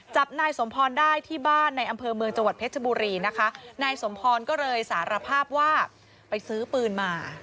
จับนายสมพรได้ที่บ้านในอำเภอเมืองจังหวัดเพชรบุรีนะคะนายสมพรก็เลยสารภาพว่าไปซื้อปืนมา